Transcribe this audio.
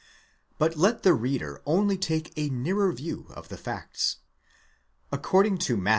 But let the reader only take a nearer view of the facts. According to Matt.